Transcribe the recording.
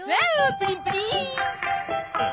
プリンプリン。